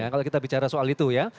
kalau kita bicara soal itu ya